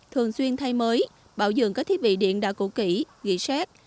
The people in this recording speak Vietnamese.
thường xuyên thay mới bảo dường các thiết bị điện đã cụ kỹ ghi xét